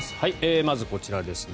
まずこちらですね。